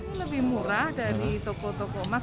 ini lebih murah dari toko toko emas